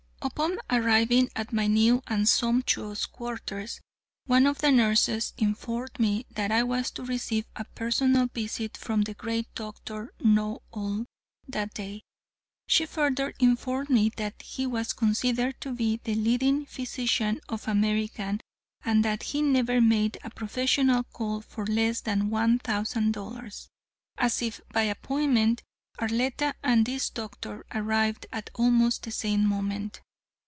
Upon arriving at my new and sumptuous quarters, one of the nurses informed me that I was to receive a personal visit from the great Doctor Know all that day. She further informed me that he was considered to be the leading physician of America and that he never made a professional call for less than one thousand dollars. As if by appointment Arletta and this doctor arrived at almost the same moment.